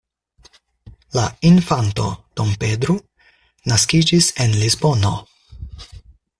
La infanto "dom Pedro" naskiĝis en Lisbono.